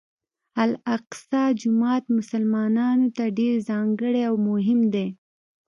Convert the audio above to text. الاقصی جومات مسلمانانو ته ډېر ځانګړی او مهم دی.